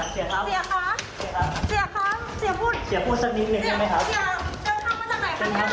เสียขาเสียขาเสียพูดเสียพูดสักนิดหนึ่งได้ไหมครับ